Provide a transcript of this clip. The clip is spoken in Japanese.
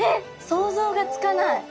想像がつかない。